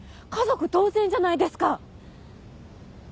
家族同然じゃないですか！